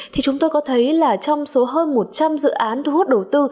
thì chúng tôi có thấy là trong số hơn một trăm linh dự án thu hút đầu tư